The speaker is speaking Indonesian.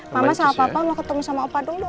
mama sama papa mau ketemu sama opa dulu